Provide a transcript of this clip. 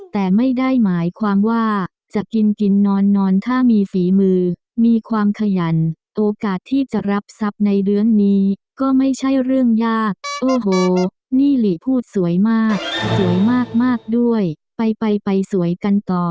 แต่ไม่ได้หมายความว่าจะกินกินนอนนอนถ้ามีฝีมือมีความขยันโอกาสที่จะรับทรัพย์ในเรื่องนี้ก็ไม่ใช่เรื่องยากโอ้โหนี่หลีพูดสวยมากสวยมากมากด้วยไปไปสวยกันต่อ